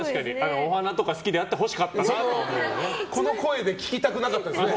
お花とか好きであってほしかったとこの声で聞きたくなかったですね。